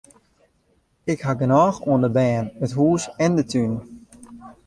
Ik haw genôch oan de bern, it hûs en de tún.